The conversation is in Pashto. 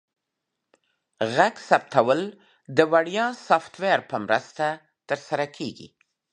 غږ ثبتول د وړیا سافټویر په مرسته ترسره کیږي.